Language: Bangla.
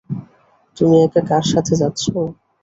তুমি একা তার সাথে যাচ্ছ?